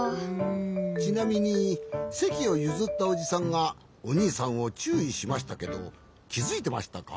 ちなみにせきをゆずったおじさんがおにいさんをちゅういしましたけどきづいてましたか？